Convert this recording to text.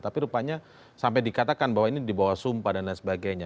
tapi rupanya sampai dikatakan bahwa ini dibawa sumpah dan lain sebagainya